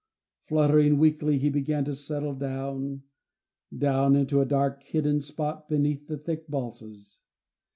Fluttering weakly he began to settle down, down into a dark, hidden spot beneath the thick balsams.